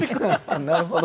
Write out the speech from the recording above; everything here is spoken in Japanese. なるほど。